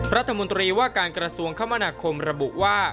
ประธมุตรีว่าการกระทรวงคมรบุว่า